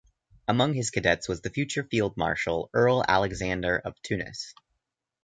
Among his cadets was the future Field Marshal Earl Alexander of Tunis.